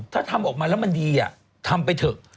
ถ้าทำออกมาแล้วมันดีทำไปเถอะ